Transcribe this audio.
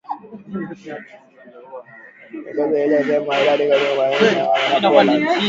Kikosi hicho ni sehemu ya idadi kubwa ya wanajeshi elfu tano wa Marekani waliotumwa Poland